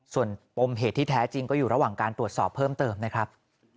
ส่วนปมเหตุที่แท้จริงก็อยู่ระหว่างการตรวจสอบเพิ่มเติมนะครับ